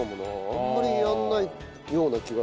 あんまりやらないような気がする。